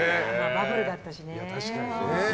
バブルだったしね。